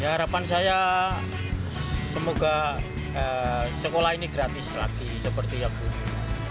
harapan saya semoga sekolah ini gratis lagi seperti yang dulu